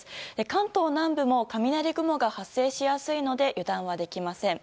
関東南部も雷雲が発生しやすいので油断はできません。